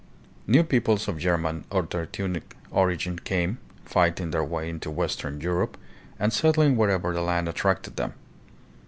New peoples of German or Teutonic origin came, fighting their way into western Europe and settling wherever the land attracted them.